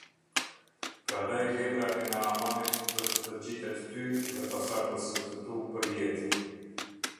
Prandaj lebra e Naamanit do të të ngjitet ty dhe pasardhësve të tu përjetë".